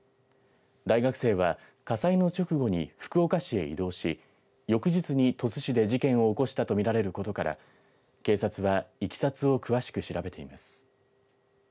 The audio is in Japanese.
大学生は火災の直後に福岡市へ移動し翌日に鳥栖市で事件を起こしたとみられることから警察はいきさつを詳しく調べています。